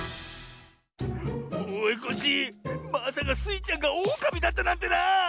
おいコッシーまさかスイちゃんがオオカミだったなんてな！